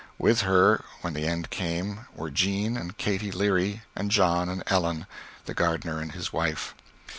With her, when the end came, were Jean and Katy Leary, and John and Ellen (the gardener and his wife).